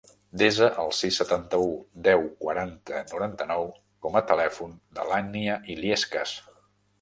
Desa el sis, setanta-u, deu, quaranta, noranta-nou com a telèfon de l'Ànnia Illescas.